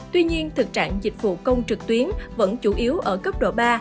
tuy nhiên thực trạng dịch vụ công trực tuyến vẫn chủ yếu ở cấp độ ba